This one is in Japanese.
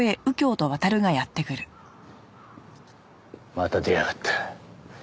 また出やがった。